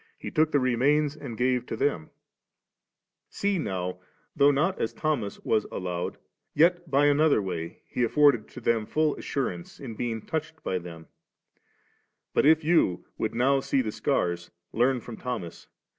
He took the remains and gave to them ^J See now, though not as Thomas was allowed, yet by another way. He afforded to them full assurance, in being touched by them ; but if you would now see the scars, learn from Thomas.